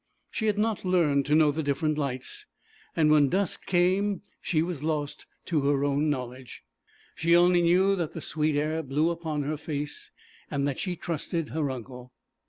She had not learned to know the different lights. When dusk came she was lost to her own knowledge. She only knew that the sweet air blew upon her face and that she trusted her uncle.